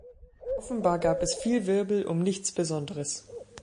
Offenbar gab es viel Wirbel um nichts Besonderes.